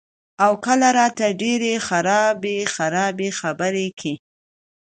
او کله راته ډېرې خرابې خرابې خبرې کئ " ـ